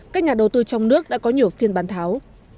các nhà đầu tư trong nước đã có nhiều phiên bán tháo